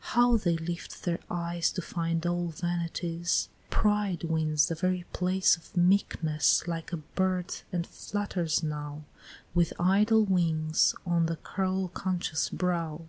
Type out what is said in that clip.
How they lift their eyes to find Old vanities! Pride wins the very place Of meekness, like a bird, and flutters now With idle wings on the curl conscious brow!